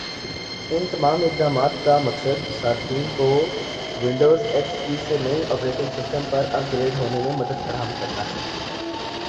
ان تمام اقدامات کا مقصد صارفین کو ونڈوز ایکس پی سے نئے آپریٹنگ سسٹم پر اپ گریڈ ہونے میں مدد فراہم کرنا ہے